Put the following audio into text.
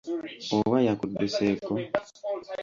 Oba yakuduseeko?